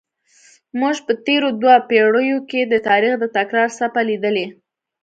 موږ په تېرو دوو پیړیو کې د تاریخ د تکرار څپه لیدلې.